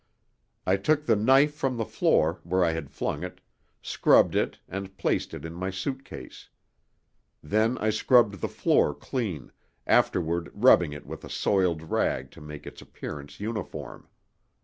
I took the knife from the floor where I had flung it, scrubbed it, and placed it in my suit case. Then I scrubbed the floor clean, afterward rubbing it with a soiled rag to make its appearance uniform.